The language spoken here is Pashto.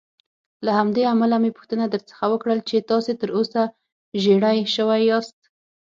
له همدې امله مې پوښتنه درڅخه وکړل چې تاسې تراوسه ژېړی شوي یاست.